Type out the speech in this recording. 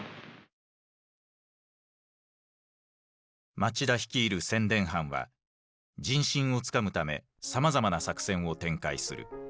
町田率いる宣伝班は人心をつかむためさまざまな作戦を展開する。